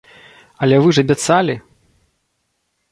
Але вы ж абяцалі?